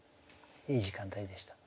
いい時間帯でした。